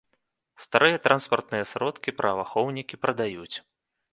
Старыя транспартныя сродкі праваахоўнікі прадаюць.